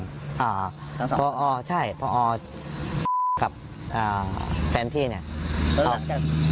ทั้งสองครับใช่พ่อคับแฟนพี่เนี่ย